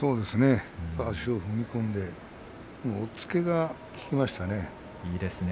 足を踏み込んで押っつけが効きましたね。